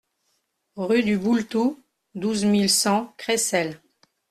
Rue du Boultou, douze mille cent Creissels